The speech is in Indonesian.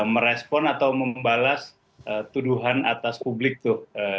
merespon atau membalas tuduhan atas publik tuh